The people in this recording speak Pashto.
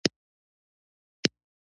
بیرته به ناروغۍ زور پرې وکړ.